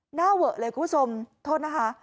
หน้าเวอะเลยคุณผู้ชมโทษนะคะ